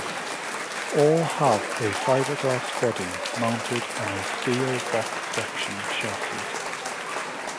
All have a fibreglass body mounted on a steel box-section chassis.